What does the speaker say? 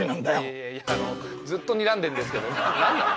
いやいやずっとにらんでんですけど何なの？